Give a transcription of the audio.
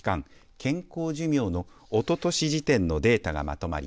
健康寿命のおととし時点のデータがまとまり